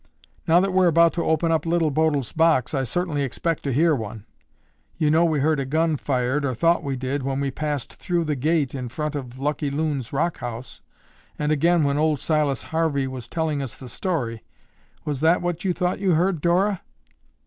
"Now that we're about to open up Little Bodil's box, I certainly expect to hear one. You know we heard a gun fired, or thought we did, when we passed through the gate in front of Lucky Loon's rock house, and again when old Silas Harvey was telling us the story. Was that what you thought you heard, Dora?"